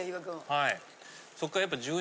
はい。